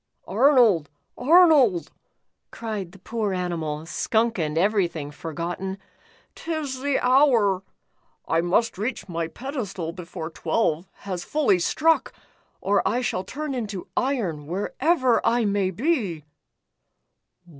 "Arnold, Arnold," cried the poor animal, skunk and everything forgotten, "'tis the hour. I must reach my pedestal before twelve has fully struck, or I shall turn into iron, wherever I may be."